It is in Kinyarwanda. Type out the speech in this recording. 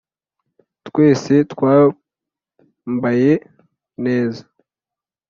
twse twambaye neza